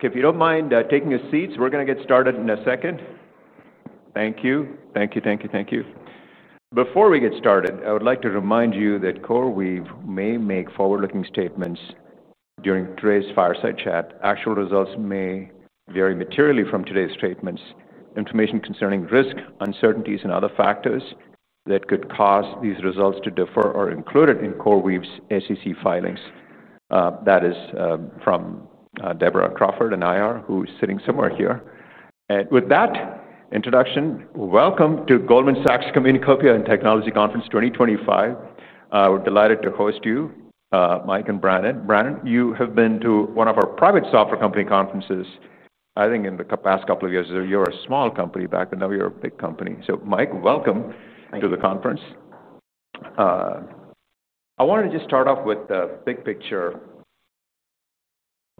Okay, if you don't mind taking your seats, we're going to get started in a second. Thank you. Thank you, thank you, thank you. Before we get started, I would like to remind you that CoreWeave may make forward-looking statements during today's fireside chat. Actual results may vary materially from today's statements. Information concerning risk, uncertainties, and other factors that could cause these results to differ are included in CoreWeave's SEC filings. That is from Deborah Crawford and IR, who's sitting somewhere here. With that introduction, welcome to Goldman Sachs Communacopia and Technology Conference 2025. We're delighted to host you, Mike and Brannin. Brannin, you have been to one of our private software company conferences. I think in the past couple of years, you were a small company back, but now you're a big company. Mike, welcome to the conference. I wanted to just start off with the big picture.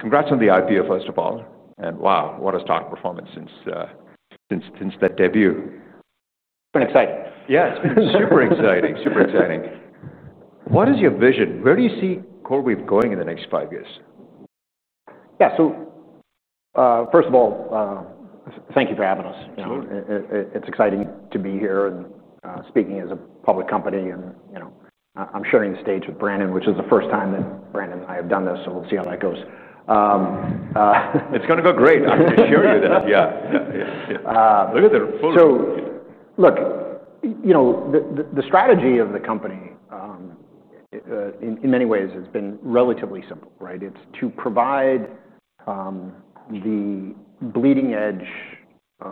Congrats on the IPO, first of all. Wow, what a stock performance since that debut. Pretty exciting. Yeah, super exciting, super exciting. What is your vision? Where do you see CoreWeave going in the next five years? First of all, thank you for having us. Absolutely. It's exciting to be here and speaking as a public company. I'm sharing the stage with Brannin, which is the first time that Brannin and I have done this, so we'll see how that goes. It's going to go great. I'm just sure you're going to. Yeah, look at the full. Look, the strategy of the company in many ways has been relatively simple, right? It's to provide the bleeding edge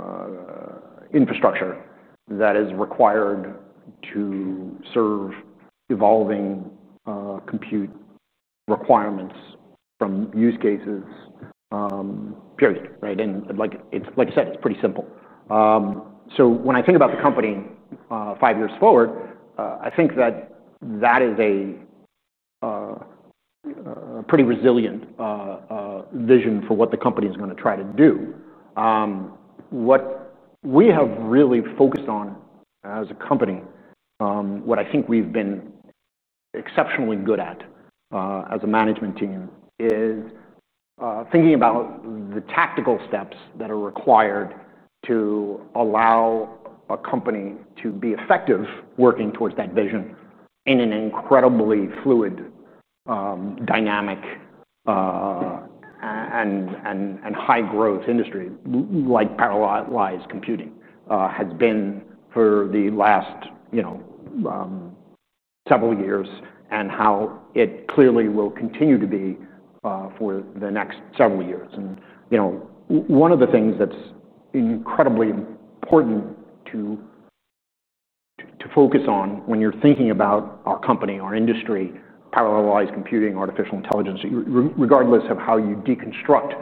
infrastructure that is required to serve evolving compute requirements from use cases, period, right? Like I said, it's pretty simple. When I think about the company five years forward, I think that that is a pretty resilient vision for what the company is going to try to do. What we have really focused on as a company, what I think we've been exceptionally good at as a management team, is thinking about the tactical steps that are required to allow a company to be effective working towards that vision in an incredibly fluid, dynamic, and high-growth industry like parallelized computing has been for the last several years and how it clearly will continue to be for the next several years. One of the things that's incredibly important to focus on when you're thinking about our company, our industry, parallelized computing, artificial intelligence, regardless of how you deconstruct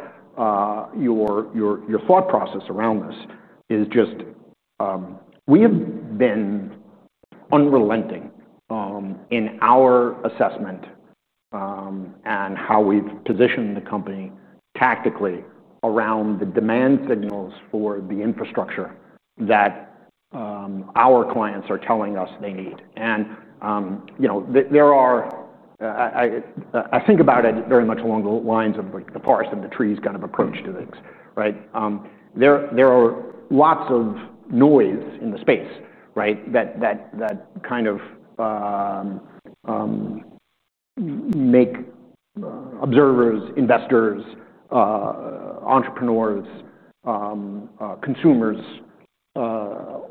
your thought process around this, is just we have been unrelenting in our assessment and how we've positioned the company tactically around the demand signals for the infrastructure that our clients are telling us they need. I think about it very much along the lines of the forest and the trees kind of approach to this, right? There is lots of noise in the space, right, that kind of make observers, investors, entrepreneurs, consumers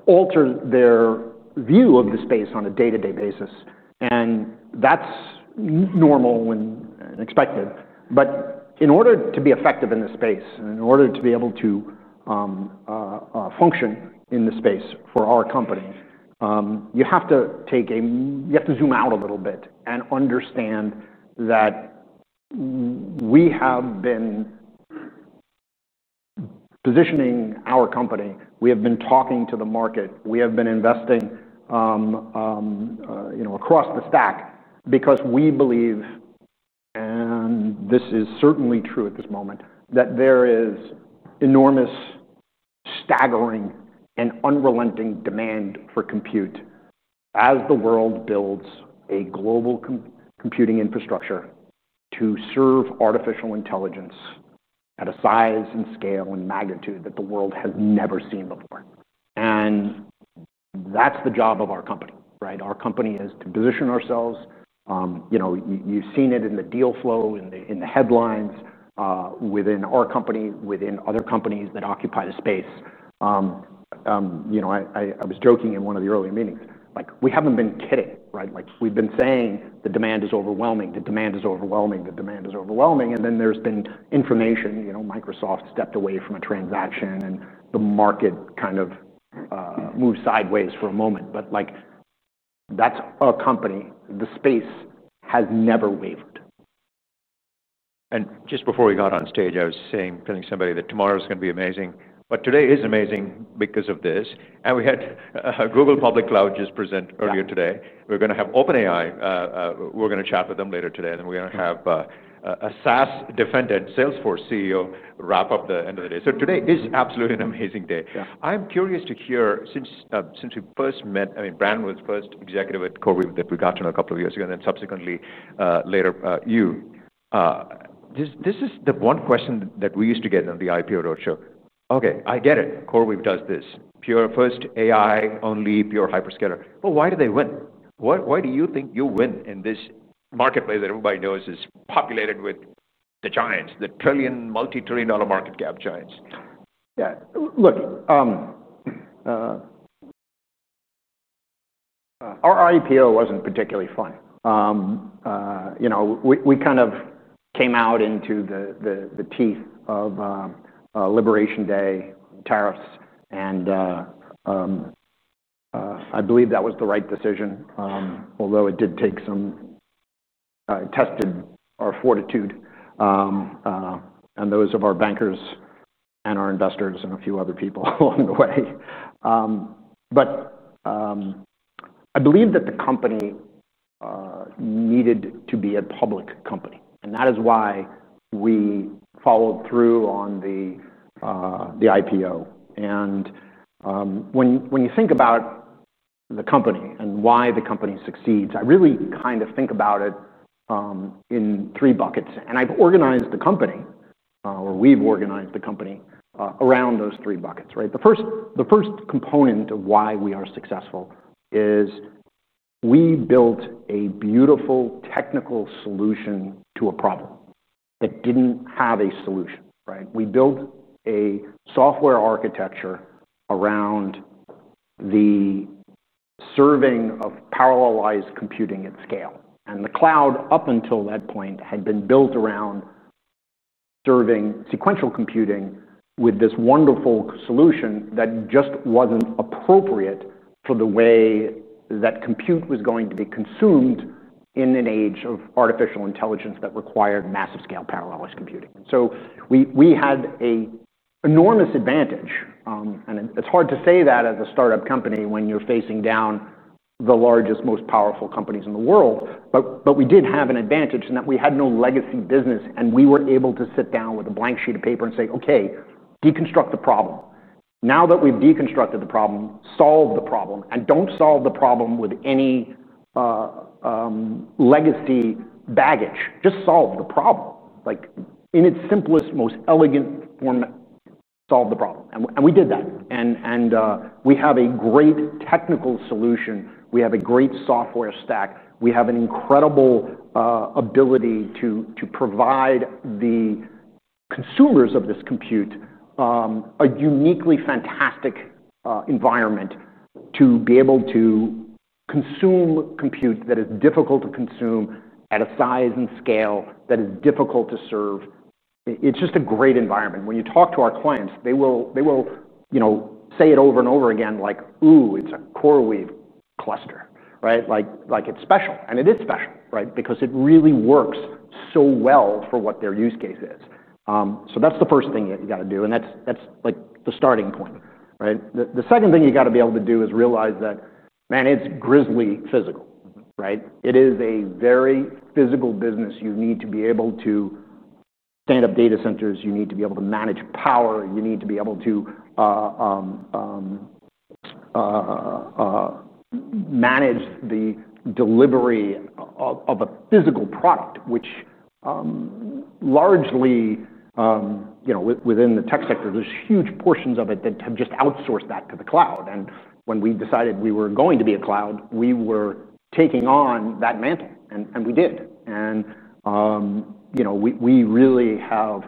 alter their view of the space on a day-to-day basis. That's normal and expected. In order to be effective in this space, and in order to be able to function in this space for our company, you have to zoom out a little bit and understand that we have been positioning our company. We have been talking to the market. We have been investing across the stack because we believe, and this is certainly true at this moment, that there is enormous, staggering, and unrelenting demand for compute as the world builds a global computing infrastructure to serve artificial intelligence at a size and scale and magnitude that the world has never seen before. That's the job of our company, right? Our company is to position ourselves. You've seen it in the deal flow, in the headlines, within our company, within other companies that occupy the space. I was joking in one of the early meetings, like we haven't been kidding, right? Like we've been saying the demand is overwhelming, the demand is overwhelming, the demand is overwhelming. Then there's been information, you know, Microsoft stepped away from a transaction and the market kind of moved sideways for a moment. That's our company. The space has never wavered. Just before we got on stage, I was saying, telling somebody that tomorrow is going to be amazing, but today is amazing because of this. We had Google Public Cloud just present earlier today. We're going to have OpenAI, we're going to chat with them later today, and then we're going to have a SaaS defendant, Salesforce CEO, wrap up the end of the day. Today is absolutely an amazing day. I'm curious to hear, since we first met, I mean, Brannin was first executive with CoreWeave that we got to know a couple of years ago, and then subsequently later you. This is the one question that we used to get on the IPO roadshow. Okay, I get it. CoreWeave does this. Pure first AI, only pure hyperscaler. Why do they win? Why do you think you win in this marketplace that everybody knows is populated with the giants, the trillion, multi-trillion dollar market cap giants? Yeah, look, our IPO wasn't particularly fun. We kind of came out into the teeth of Liberation Day, tariffs, and I believe that was the right decision, although it did take some testing our fortitude and those of our bankers and our investors and a few other people along the way. I believe that the company needed to be a public company, and that is why we followed through on the IPO. When you think about the company and why the company succeeds, I really kind of think about it in three buckets. I've organized the company, well, we've organized the company around those three buckets, right? The first component of why we are successful is we built a beautiful technical solution to a problem that didn't have a solution, right? We built a software architecture around the serving of parallelized computing at scale. The cloud up until that point had been built around serving sequential computing with this wonderful solution that just wasn't appropriate for the way that compute was going to be consumed in an age of artificial intelligence that required massive scale parallelized computing. We had an enormous advantage, and it's hard to say that as a startup company when you're facing down the largest, most powerful companies in the world. We did have an advantage in that we had no legacy business, and we were able to sit down with a blank sheet of paper and say, okay, deconstruct the problem. Now that we've deconstructed the problem, solve the problem. Don't solve the problem with any legacy baggage. Just solve the problem. Like in its simplest, most elegant form, solve the problem. We did that. We have a great technical solution. We have a great software stack. We have an incredible ability to provide the consumers of this compute a uniquely fantastic environment to be able to consume compute that is difficult to consume at a size and scale that is difficult to serve. It's just a great environment. When you talk to our clients, they will say it over and over again, like, ooh, it's a CoreWeave cluster, right? Like it's special. It is special, right? Because it really works so well for what their use case is. That's the first thing that you got to do. That's like the starting point, right? The second thing you got to be able to do is realize that, man, it's grizzly physical, right? It is a very physical business. You need to be able to stand up data centers. You need to be able to manage power. You need to be able to manage the delivery of a physical product, which largely, you know, within the tech sector, there's huge portions of it that have just outsourced that to the cloud. When we decided we were going to be a cloud, we were taking on that mantle. We did. We really have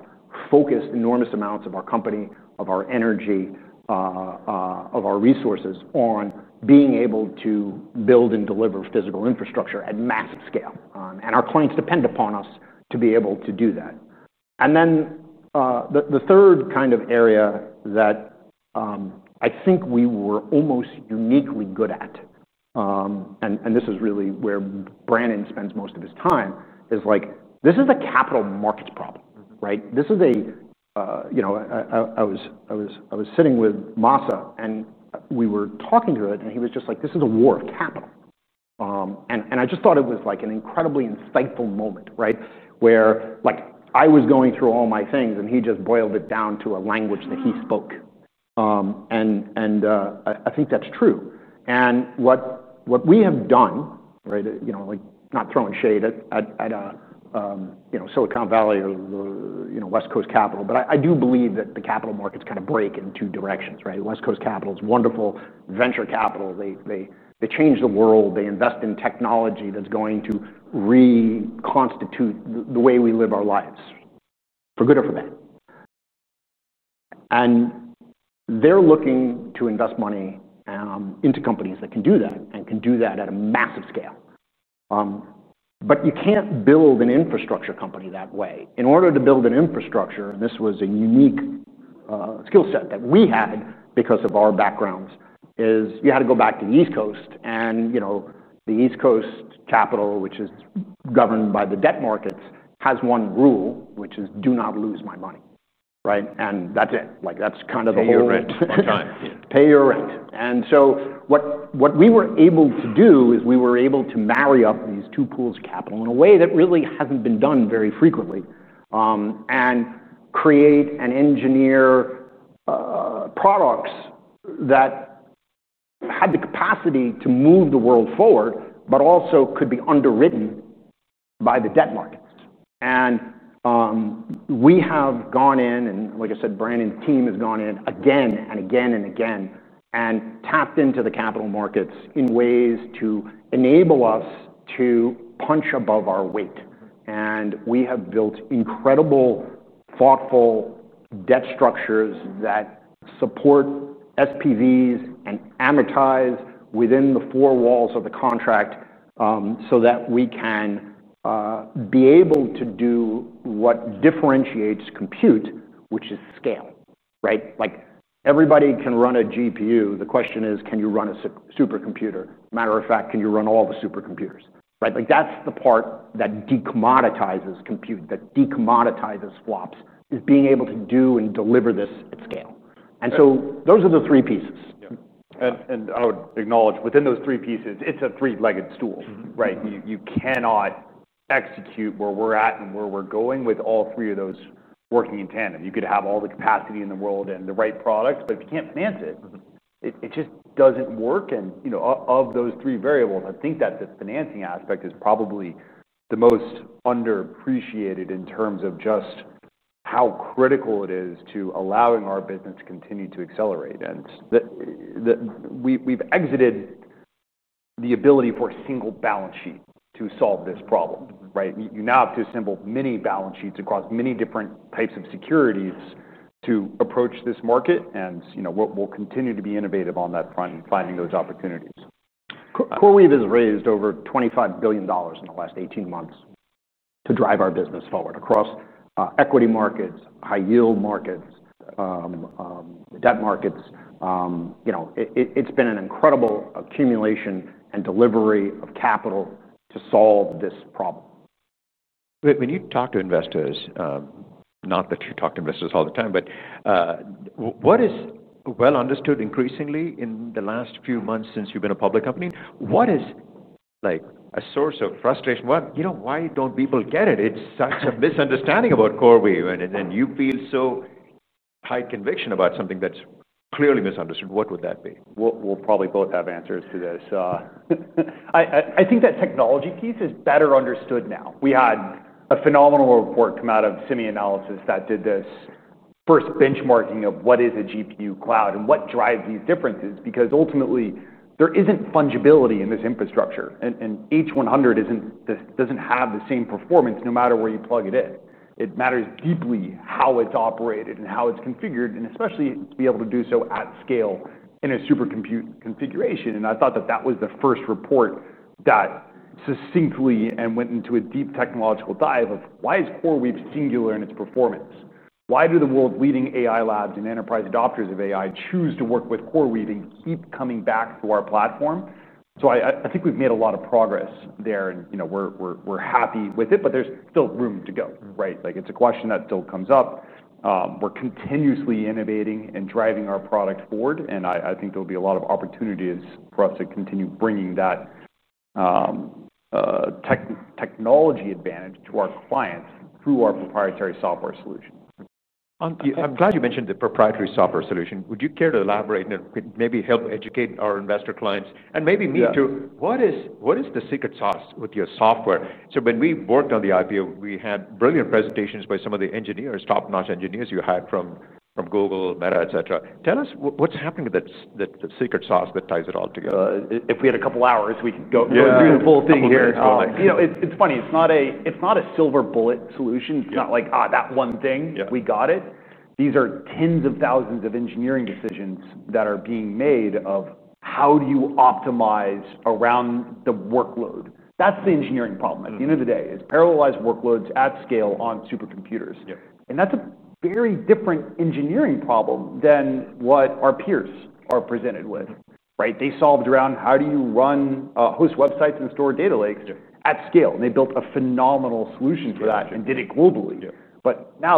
focused enormous amounts of our company, of our energy, of our resources on being able to build and deliver physical infrastructure at massive scale. Our clients depend upon us to be able to do that. The third kind of area that I think we were almost uniquely good at, and this is really where Brannin spends most of his time, is like, this is a capital markets problem, right? I was sitting with Masa, and we were talking to it, and he was just like, this is a war of capital. I just thought it was like an incredibly insightful moment, right? I was going through all my things, and he just boiled it down to a language that he spoke. I think that's true. What we have done, right, you know, like not throwing shade at a, you know, Silicon Valley or the, you know, West Coast capital, but I do believe that the capital markets kind of break in two directions, right? West Coast capital is wonderful. Venture capital, they change the world. They invest in technology that's going to reconstitute the way we live our lives, for good or for bad. They're looking to invest money into companies that can do that and can do that at a massive scale. You can't build an infrastructure company that way. In order to build an infrastructure, and this was a unique skill set that we had because of our backgrounds, you had to go back to the East Coast. The East Coast capital, which is governed by the debt markets, has one rule, which is, do not lose my money, right? That's it. That's kind of the whole rent. Pay your rent. Pay your rent. What we were able to do is we were able to marry up these two pools of capital in a way that really hasn't been done very frequently and create and engineer products that had the capacity to move the world forward, but also could be underwritten by the debt markets. We have gone in, and like I said, Brannin's team has gone in again and again and again and tapped into the capital markets in ways to enable us to punch above our weight. We have built incredible, thoughtful debt structures that support SPVs and amortize within the four walls of the contract so that we can be able to do what differentiates compute, which is scale, right? Like everybody can run a GPU. The question is, can you run a supercomputer? Matter of fact, can you run all the supercomputers, right? That's the part that decommoditizes compute, that decommoditizes flops, is being able to do and deliver this at scale. Those are the three pieces. Yeah. I would acknowledge within those three pieces, it's a three-legged stool, right? You cannot execute where we're at and where we're going with all three of those working in tandem. You could have all the capacity in the world and the right products, but if you can't finance it, it just doesn't work. Of those three variables, I think that this financing aspect is probably the most underappreciated in terms of just how critical it is to allowing our business to continue to accelerate. We've exited the ability for a single balance sheet to solve this problem, right? You now have to assemble many balance sheets across many different types of securities to approach this market. We'll continue to be innovative on that front and finding those opportunities. CoreWeave has raised over $25 billion in the last 18 months to drive our business forward across equity markets, high-yield markets, the debt markets. It's been an incredible accumulation and delivery of capital to solve this problem. When you talk to investors, not that you talk to investors all the time, but what is well understood increasingly in the last few months since you've been a public company? What is like a source of frustration? Why don't people get it? It's such a misunderstanding about CoreWeave. You feel so high conviction about something that's clearly misunderstood. What would that be? We'll probably both have answers to this. I think that technology piece is better understood now. We had a phenomenal report come out of SemiAnalysis that did this first benchmarking of what is a GPU cloud and what drives these differences. Because ultimately, there isn't fungibility in this infrastructure. An H100 doesn't have the same performance no matter where you plug it in. It matters deeply how it's operated and how it's configured, especially to be able to do so at scale in a supercomputer configuration. I thought that was the first report that succinctly went into a deep technological dive of why is CoreWeave singular in its performance, why do the world's leading AI labs and enterprise adopters of AI choose to work with CoreWeave and keep coming back to our platform. I think we've made a lot of progress there, and we're happy with it. There's still room to go, right? It's a question that still comes up. We're continuously innovating and driving our product forward. I think there'll be a lot of opportunities for us to continue bringing that technology advantage to our clients through our proprietary software solution. I'm glad you mentioned the proprietary software solution. Would you care to elaborate and maybe help educate our investor clients and maybe me too? What is the secret sauce with your software? When we worked on the IPO, we had brilliant presentations by some of the engineers, top-notch engineers you had from Google, Meta, et cetera. Tell us what's happening with that secret sauce that ties it all together. If we had a couple of hours, we could go through the whole thing here. You know, it's funny. It's not a silver bullet solution. It's not like that one thing. We got it. These are tens of thousands of engineering decisions that are being made of how do you optimize around the workload. That's the engineering problem. At the end of the day, it's parallelized workloads at scale on supercomputers. That's a very different engineering problem than what our peers are presented with, right? They solved around how do you run host websites and store data lakes at scale. They built a phenomenal solution for that and did it globally.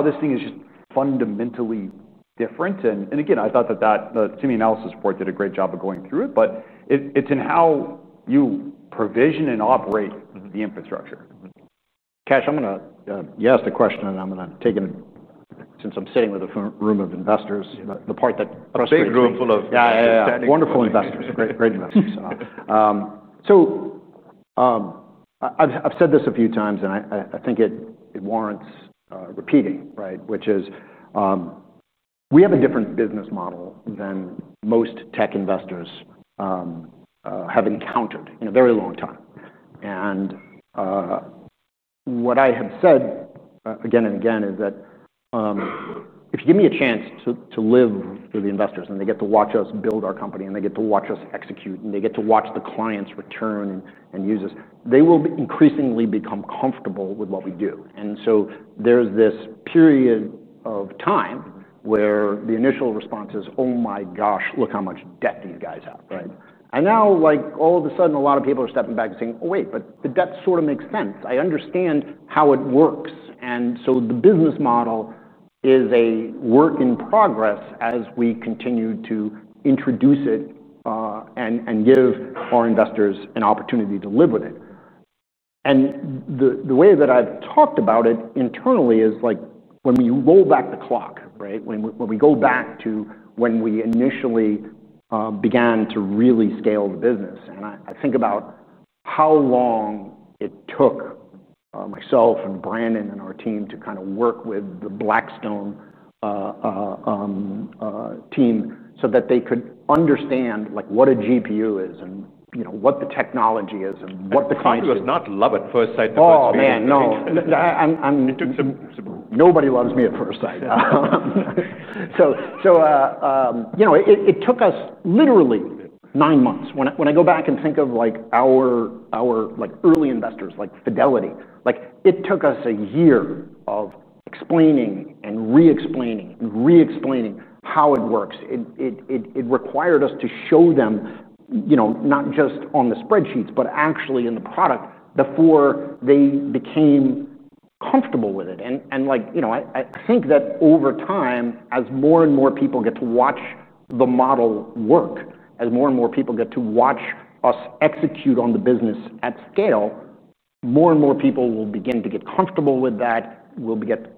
This thing is just fundamentally different. I thought that the SemiAnalysis report did a great job of going through it. It's in how you provision and operate the infrastructure. Cash, I'm going to ask a question. I'm going to take it since I'm sitting with a room of investors, the part that. I don't see a room full of. Yeah, yeah, yeah, wonderful investors, great investors. I've said this a few times, and I think it warrants repeating, right? Which is we have a different business model than most tech investors have encountered in a very long time. What I have said again and again is that if you give me a chance to live for the investors, and they get to watch us build our company, and they get to watch us execute, and they get to watch the clients return and use us, they will increasingly become comfortable with what we do. There is this period of time where the initial response is, oh my gosh, look how much debt these guys have, right? Now, all of a sudden, a lot of people are stepping back and saying, oh wait, but the debt sort of makes sense. I understand how it works. The business model is a work in progress as we continue to introduce it and give our investors an opportunity to live with it. The way that I've talked about it internally is like when we roll back the clock, right? When we go back to when we initially began to really scale the business, and I think about how long it took myself and Brannin and our team to kind of work with the Blackstone team so that they could understand what a GPU is and, you know, what the technology is and what the client is. GPUs, not love at first sight. Oh, man, no. Nobody loves me at first sight. It took us literally nine months. When I go back and think of our early investors, like Fidelity, it took us a year of explaining and re-explaining and re-explaining how it works. It required us to show them not just on the spreadsheets, but actually in the product before they became comfortable with it. I think that over time, as more and more people get to watch the model work, as more and more people get to watch us execute on the business at scale, more and more people will begin to get comfortable with that, will get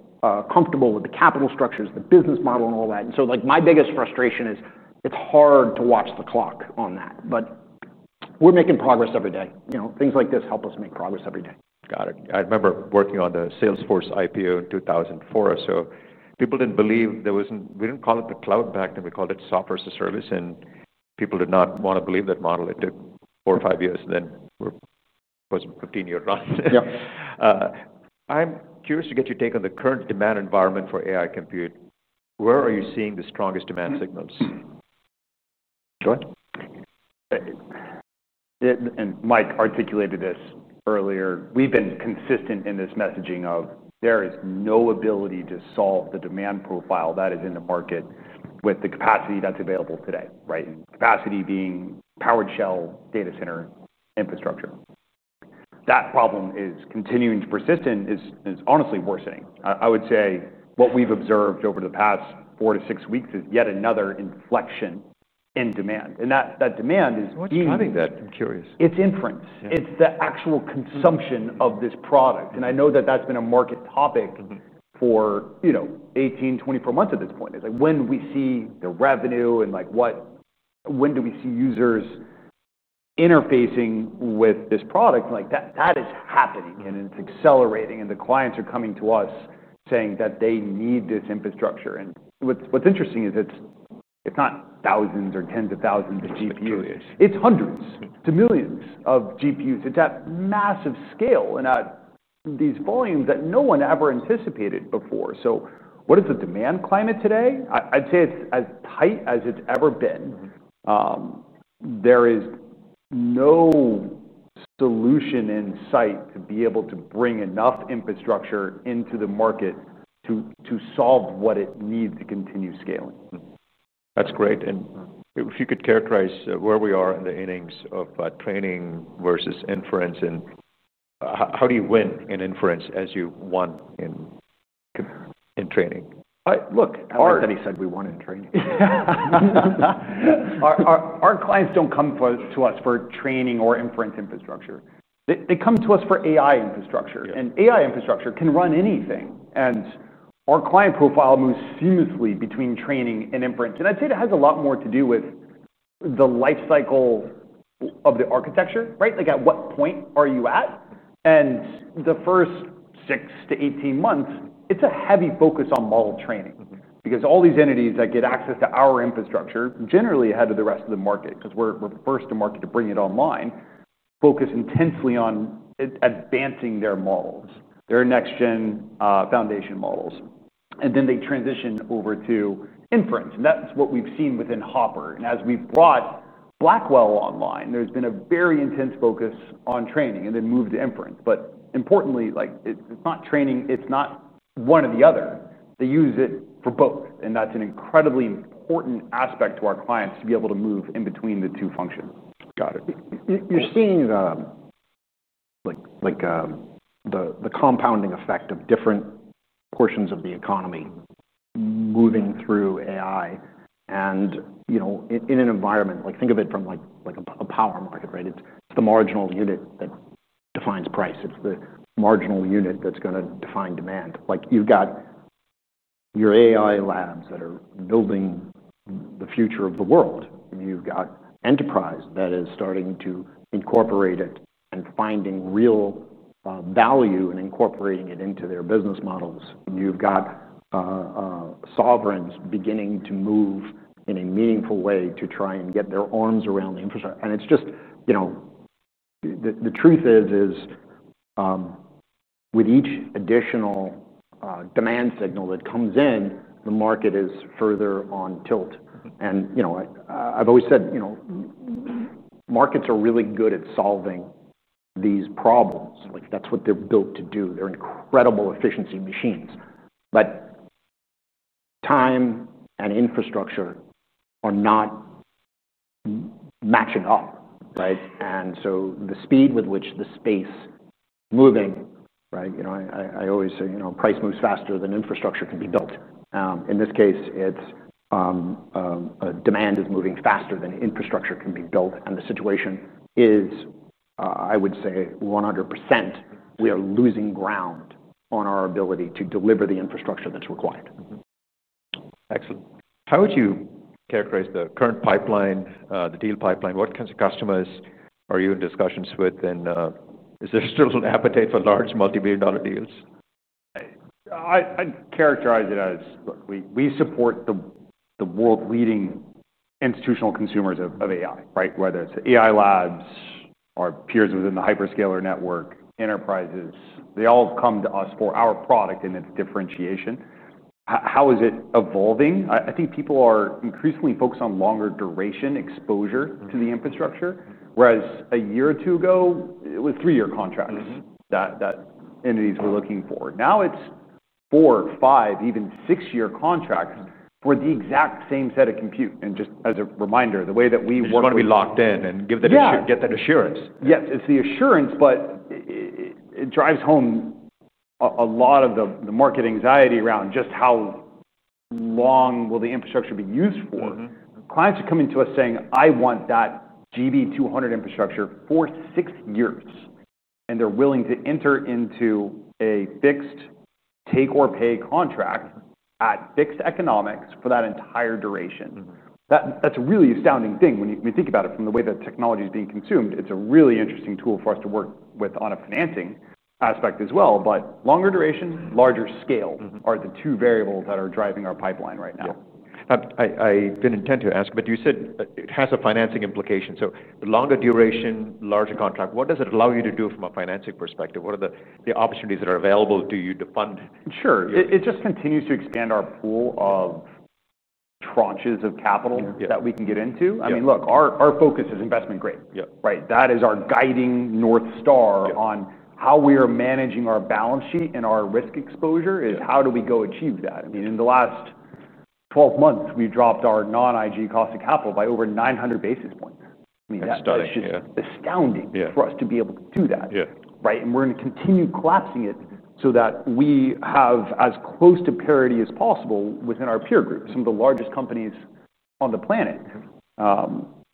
comfortable with the capital structures, the business model, and all that. My biggest frustration is it's hard to watch the clock on that. We're making progress every day. Things like this help us make progress every day. Got it. I remember working on the Salesforce IPO in 2004. People didn't believe there wasn't, we didn't call it the cloud back then. We called it software as a service. People did not want to believe that model. It took four or five years, and then it was a 15-year run. Yeah. I'm curious to get your take on the current demand environment for AI compute. Where are you seeing the strongest demand signals? Mike articulated this earlier. We've been consistent in this messaging of there is no ability to solve the demand profile that is in the market with the capacity that's available today, right? Capacity being powered shell data center infrastructure. That problem is continuing to persist and is honestly worsening. What we've observed over the past four to six weeks is yet another inflection in demand. That demand is being. What's driving that? I'm curious. It's inference. It's the actual consumption of this product. I know that that's been a market topic for, you know, 18, 24 months at this point. Like when we see the revenue and like what when do we see users interfacing with this product? That is happening, and it's accelerating. The clients are coming to us saying that they need this infrastructure. What's interesting is it's not thousands or tens of thousands of GPUs. It's hundreds to millions of GPUs. It's at massive scale and at these volumes that no one ever anticipated before. What is the demand climate today? I'd say it's as tight as it's ever been. There is no solution in sight to be able to bring enough infrastructure into the market to solve what it needs to continue scaling. That's great. If you could characterize where we are in the innings of training versus inference, how do you win in inference as you won in training? Look, as Sam Altman said, we won in training. Our clients don't come to us for training or inference infrastructure. They come to us for AI infrastructure, and AI infrastructure can run anything. Our client profile moves seamlessly between training and inference. I'd say it has a lot more to do with the lifecycle of the architecture, right? Like at what point are you at? In the first six to 18 months, it's a heavy focus on model training because all these entities that get access to our infrastructure, generally ahead of the rest of the market because we're first to market to bring it online, focus intensely on advancing their models, their next-gen foundation models. They transition over to inference, and that's what we've seen within Hopper. As we've brought Blackwell online, there's been a very intense focus on training and then move to inference. Importantly, it's not training. It's not one or the other. They use it for both, and that's an incredibly important aspect to our clients to be able to move in between the two functions. Got it. You're seeing the compounding effect of different portions of the economy moving through AI. In an environment, think of it from a power market, right? It's the marginal unit that defines price. It's the marginal unit that's going to define demand. You've got your AI labs that are building the future of the world. You've got enterprise that is starting to incorporate it and finding real value and incorporating it into their business models. You've got sovereigns beginning to move in a meaningful way to try and get their arms around the infrastructure. The truth is, with each additional demand signal that comes in, the market is further on tilt. I've always said markets are really good at solving these problems. That's what they're built to do. They're incredible efficiency machines. Time and infrastructure are not matching up, right? The speed with which the space is moving, price moves faster than infrastructure can be built. In this case, demand is moving faster than infrastructure can be built. The situation is, I would say, 100%. We are losing ground on our ability to deliver the infrastructure that's required. Excellent. How would you characterize the current pipeline, the deal pipeline? What kinds of customers are you in discussions with? Is there still an appetite for large multi-billion dollar deals? I'd characterize it as, look, we support the world's leading institutional consumers of AI, right? Whether it's AI labs, our peers within the hyperscaler network, enterprises, they all have come to us for our product and its differentiation. How is it evolving? I think people are increasingly focused on longer duration exposure to the infrastructure, whereas a year or two ago, it was three-year contracts that entities were looking for. Now it's four, five, even six-year contracts for the exact same set of compute. Just as a reminder, the way that we work. It's going to be locked in and get that assurance. Yes, it's the assurance, but it drives home a lot of the market anxiety around just how long will the infrastructure be used for? Clients are coming to us saying, I want that GB200 infrastructure for six years, and they're willing to enter into a fixed take-or-pay contract at fixed economics for that entire duration. That's a really astounding thing when you think about it from the way that technology is being consumed. It's a really interesting tool for us to work with on a financing aspect as well. Longer duration, larger scale are the two variables that are driving our pipeline right now. I didn't intend to ask, but you said it has a financing implication. Longer duration, larger contract, what does it allow you to do from a financing perspective? What are the opportunities that are available to you to fund? Sure. It just continues to expand our pool of tranches of capital that we can get into. I mean, look, our focus is investment grade, right? That is our guiding North Star on how we are managing our balance sheet and our risk exposure is how do we go achieve that? I mean, in the last 12 months, we dropped our non-IG cost of capital by over 900 basis points. That's astounding. It's astounding for us to be able to do that, right? We're going to continue collapsing it so that we have as close to parity as possible within our peer group, some of the largest companies on the planet.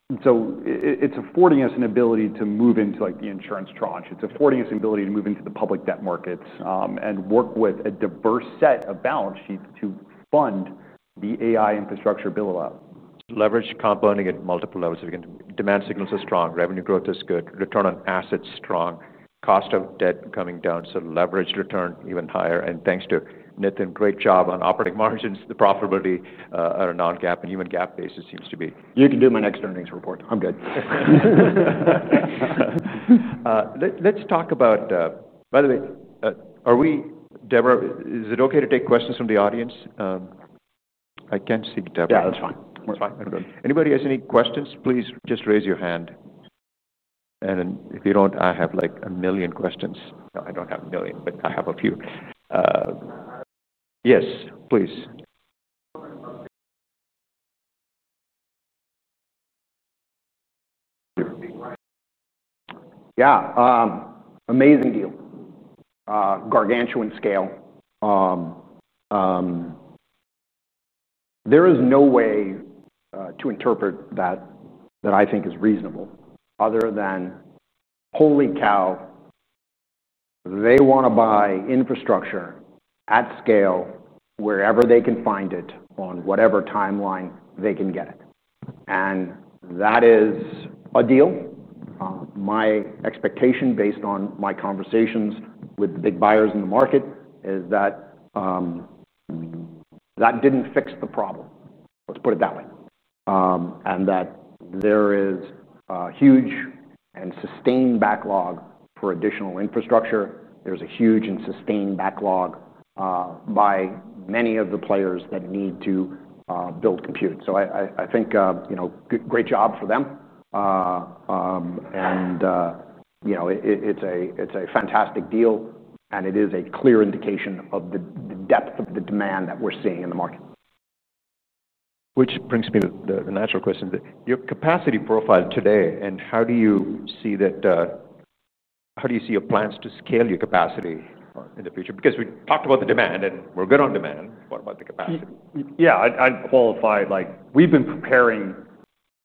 It's affording us an ability to move into like the insurance tranche. It's affording us an ability to move into the public debt markets and work with a diverse set of balance sheets to fund the AI infrastructure bill of law. Leverage compounding at multiple levels. Demand signals are strong. Revenue growth is good. Return on assets is strong. Cost of debt coming down, leverage return even higher. Thanks to Nithan, great job on operating margins. The profitability on a non-GAAP and even GAAP basis seems to be. You can do my next earnings report. I'm good. Let's talk about, by the way, are we, Deborah, is it OK to take questions from the audience? I can't see Deborah. Yeah, that's fine. Anybody has any questions, please just raise your hand. If you don't, I have a few questions. Yes, please. Yeah, amazing deal. Gargantuan scale. There is no way to interpret that that I think is reasonable other than, holy cow, they want to buy infrastructure at scale wherever they can find it on whatever timeline they can get it. That is a deal. My expectation based on my conversations with the big buyers in the market is that that didn't fix the problem. Let's put it that way. There is a huge and sustained backlog for additional infrastructure. There's a huge and sustained backlog by many of the players that need to build compute. I think, you know, great job for them. It's a fantastic deal. It is a clear indication of the depth of the demand that we're seeing in the market. Which brings me to the natural question. Your capacity profile today, and how do you see that. How do you see your plans to scale your capacity in the future? We talked about the demand, and we're good on demand. What about the capacity? Yeah, I'd qualify like we've been preparing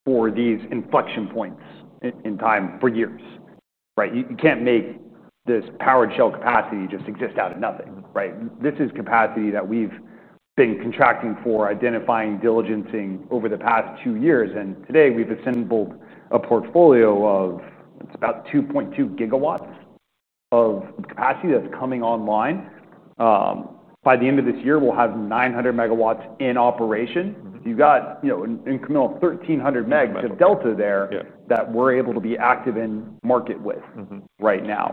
for these inflection points in time for years, right? You can't make this powered shell capacity just exist out of nothing, right? This is capacity that we've been contracting for, identifying, diligencing over the past two years. Today, we've assembled a portfolio of about 2.2 GW of capacity that's coming online. By the end of this year, we'll have 900 MW in operation. You've got an incremental 1,300 MG of delta there that we're able to be active in market with right now.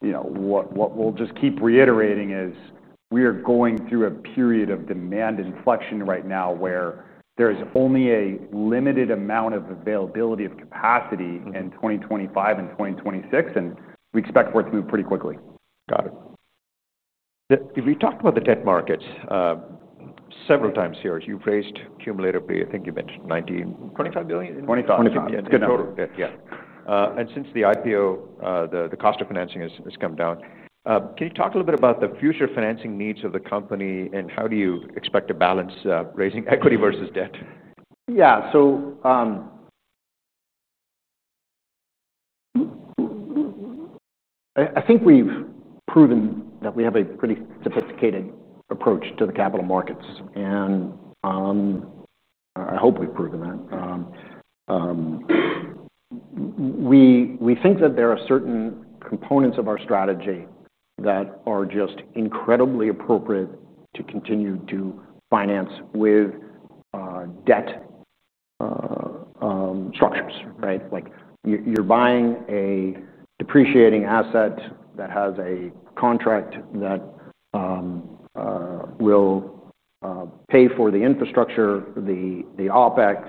What we'll just keep reiterating is we are going through a period of demand inflection right now where there is only a limited amount of availability of capacity in 2025 and 2026. We expect for it to move pretty quickly. Got it. We talked about the debt markets several times here. You've raised cumulatively, I think you mentioned $19 billion, $25 billion? 25, yeah. Yeah, total. Yeah. Since the IPO, the cost of financing has come down. Can you talk a little bit about the future financing needs of the company, and how do you expect to balance raising equity versus debt? Yeah, I think we've proven that we have a pretty sophisticated approach to the capital markets. I hope we've proven that. We think that there are certain components of our strategy that are just incredibly appropriate to continue to finance with debt structures, right? Like you're buying a depreciating asset that has a contract that will pay for the infrastructure, the OpEx,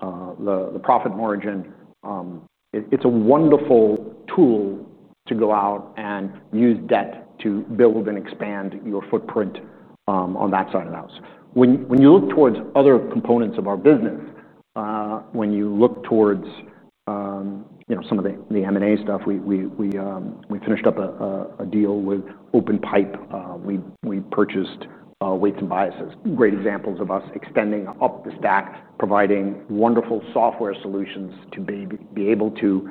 the profit margin. It's a wonderful tool to go out and use debt to build and expand your footprint on that side of the house. When you look towards other components of our business, when you look towards some of the M&A stuff, we finished up a deal with OpenPipe. We purchased Weights & Biases. Great examples of us extending up the stack, providing wonderful software solutions to be able to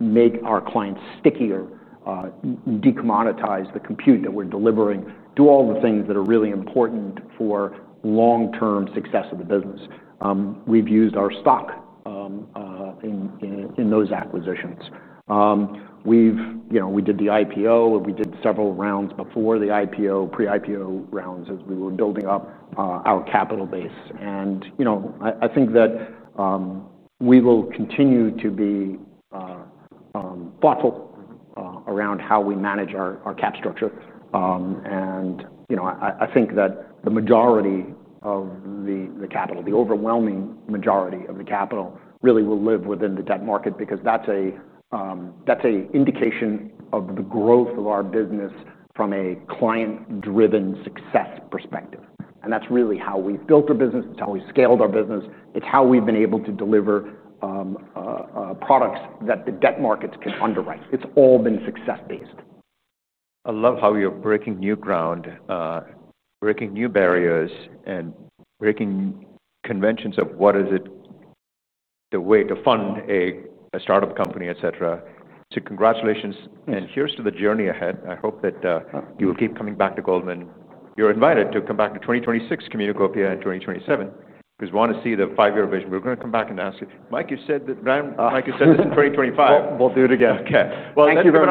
make our clients stickier, decommoditize the compute that we're delivering, do all the things that are really important for long-term success of the business. We've used our stock in those acquisitions. We did the IPO, and we did several rounds before the IPO, pre-IPO rounds as we were building up our capital base. I think that we will continue to be thoughtful around how we manage our cap structure. I think that the majority of the capital, the overwhelming majority of the capital, really will live within the debt market because that's an indication of the growth of our business from a client-driven success perspective. That's really how we've built our business. It's how we've scaled our business. It's how we've been able to deliver products that the debt markets can underwrite. It's all been success-based. I love how you're breaking new ground, breaking new barriers, and breaking conventions of what is the way to fund a startup company, et cetera. Congratulations. Here's to the journey ahead. I hope that you will keep coming back to Goldman Sachs. You're invited to come back to 2026 Communacopia and 2027 because we want to see the five-year vision. We're going to come back and ask you, Mike, you said that. Brannin, Mike, you said this in 2025. We'll do it again. OK. Thank you very much.